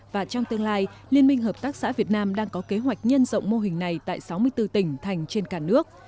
và trong tương lai liên minh hợp tác xã việt nam đang có kế hoạch nhân rộng mô hình này tại sáu mươi bốn tỉnh thành trên cả nước